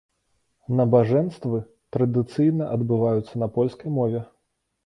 Набажэнствы традыцыйна адбываюцца на польскай мове.